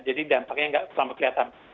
jadi dampaknya tidak selalu kelihatan